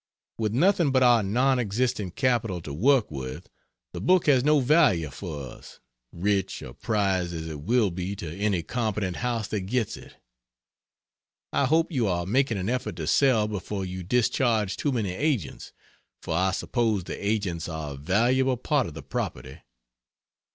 With nothing but our non existent capital to work with the book has no value for us, rich a prize as it will be to any competent house that gets it. I hope you are making an effort to sell before you discharge too many agents, for I suppose the agents are a valuable part of the property.